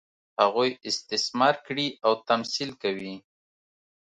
هغوی استثمار کړي او تمثیل کوي.